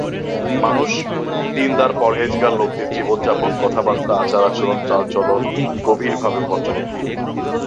মানুষ দ্বীনদার পরহেজগার লোকদের জীবনযাপন, কথাবার্তা, আচার-আচরণ, চালচলন গভীরভাবে পর্যবেক্ষণ করতেন।